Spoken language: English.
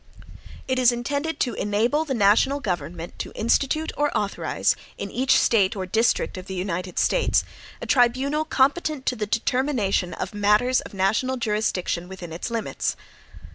It is intended to enable the national government to institute or authorize, in each State or district of the United States, a tribunal competent to the determination of matters of national jurisdiction within its limits.